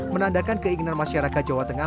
menandakan keinginan masyarakat jawa tengah